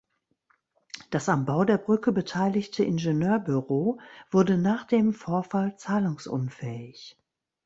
Das am Bau der Brücke beteiligte Ingenieurbüro wurde nach dem Vorfall zahlungsunfähig.